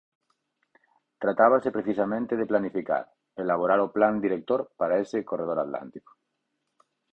Tratábase precisamente de planificar, elaborar o plan director para ese corredor atlántico.